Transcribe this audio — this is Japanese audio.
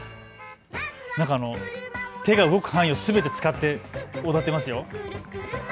手が動く範囲をすべて使って踊っていますよ。